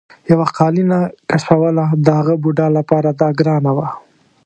یوه قالینه کشوله د هغه بوډا لپاره دا ګرانه وه.